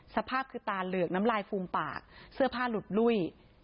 สภาพคือตาเหลือกน้ำลายฟูมปากเสื้อผ้าหลุดลุ้ย